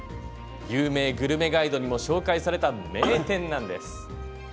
有名グルメガイドにも紹介された名店なんです。